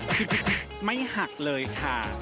สุดที่ไม่หักเลยค่ะ